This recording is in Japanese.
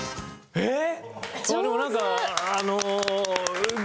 えっ！？